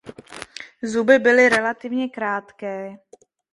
Zuby byly relativně krátké.